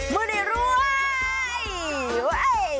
มูณนี้รวย